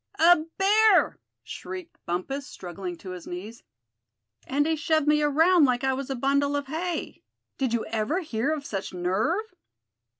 "A bear!" shrieked Bumpus, struggling to his knees; "and he shoved me around like I was a bundle of hay! Did you ever hear of such nerve?"